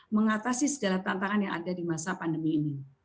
mengatasi segala tantangan yang ada di masa pandemi ini